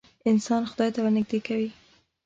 انسان خدای ته ورنیږدې کوې.